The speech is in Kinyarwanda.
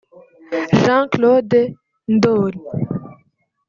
Jean Claude Ndoli